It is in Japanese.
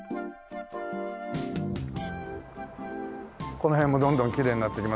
この辺もどんどんきれいになってきますね。